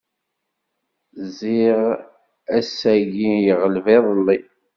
Ziɣ ass-ayi iɣleb iḍelli.